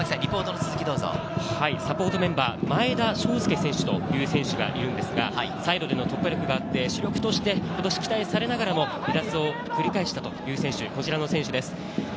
サポートメンバー・前田翔亮選手という選手がいるんですが、サイドでの突破力があって主力として今年期待されながらも離脱を繰り返した選手、こちらの選手です。